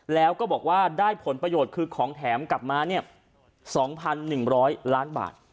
แล้วก็บอกว่าได้ผลประโยชน์คือของแถมกลับมา๒๑๐๐ล้านบาท